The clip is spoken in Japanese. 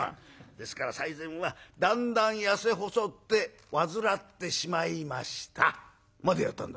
「ですから最前は『だんだん痩せ細って患ってしまいました』までやったんだ。